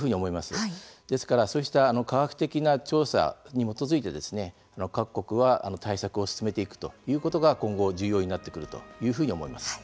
ですからそうした科学的な調査に基づいて各国は対策を進めていくということが今後、重要になってくるというふうに思います。